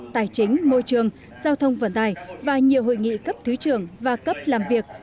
tài chính môi trường giao thông vận tải và nhiều hội nghị cấp thứ trưởng và cấp làm việc để chuẩn bị nội dung cho các hội nghị chính trị